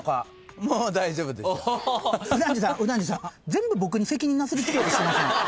全部僕に責任なすりつけようとしてません？